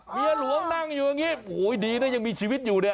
เมียหลวงนั่งอยู่อย่างนี้โอ้โหดีนะยังมีชีวิตอยู่เนี่ย